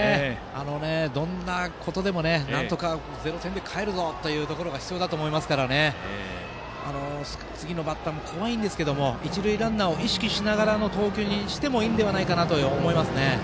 どんなことでもなんとか０点でかえるぞというのが必要だと思いますから次のバッターも怖いんですが一塁ランナーを意識しながらの投球にしてもいいのではないかなと思います。